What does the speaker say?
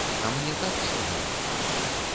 А мне так сорамна.